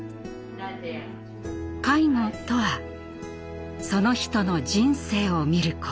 介護とはその人の人生を看ること。